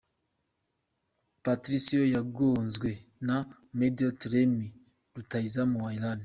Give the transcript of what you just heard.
Patricio yagonzwe na Mehdi Taremi rutahizamu wa Iran.